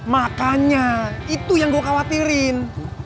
makanya itu yang gue khawatirin